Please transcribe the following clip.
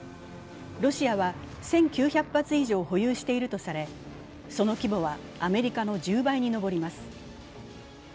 ロシアは１９００発以上、保有しているとされその規模はアメリカの１０倍に上ります。